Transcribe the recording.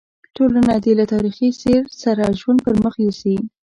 ټولنه دې له تاریخي سیر سره ژوند پر مخ یوسي.